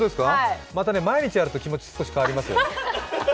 また毎日やると気持ち少し変わりますよ。